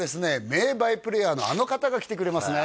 名バイプレーヤーのあの方が来てくれますね